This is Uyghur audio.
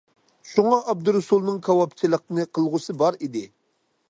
شۇڭا، ئابدۇرۇسۇلنىڭ كاۋاپچىلىقنى قىلغۇسى بار ئىدى.